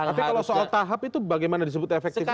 tapi kalau soal tahap itu bagaimana disebut efektivitas